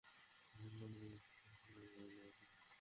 ইনি ইয়ামামার বাদশাহ সুমামা ইবনে উসাল।